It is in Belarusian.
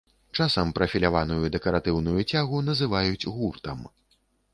Часам прафіляваную дэкаратыўную цягу называюць гуртам.